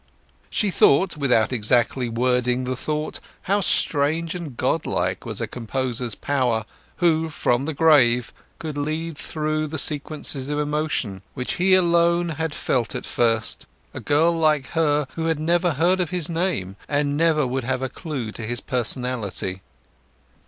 She thought, without exactly wording the thought, how strange and god like was a composer's power, who from the grave could lead through sequences of emotion, which he alone had felt at first, a girl like her who had never heard of his name, and never would have a clue to his personality.